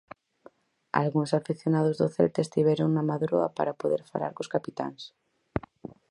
Algúns afeccionados do Celta estiveron na Madroa para poder falar cos capitáns.